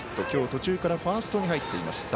きょう途中からファーストに入っています。